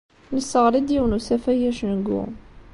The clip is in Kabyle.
Nesseɣli-d yiwen n usafag acengu.